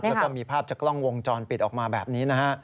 แล้วก็มีภาพจากกล้องวงจรปิดออกมาแบบนี้นะฮะ